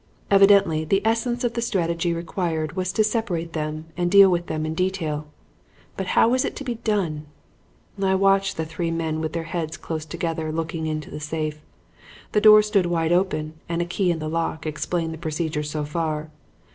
Evidently the essence of the strategy required was to separate them and deal with them in detail. But how was it to be done? "I watched the three men with their heads close together looking into the safe. The door stood wide open and a key in the lock explained the procedure so far.